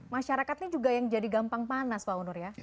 masyarakat ini juga yang jadi gampang panas pak undur ya